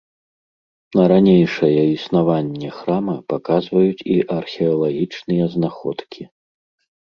На ранейшае існаванне храма паказваюць і археалагічныя знаходкі.